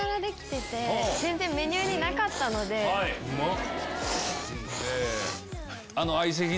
うまっ！